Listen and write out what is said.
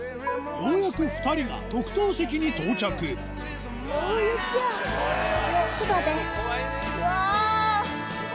ようやく２人が特等席に到着うわぁ！